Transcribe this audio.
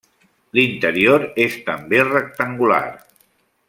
L'interior és també rectangular.